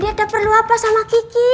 mas randy ada perlu apa sama kiki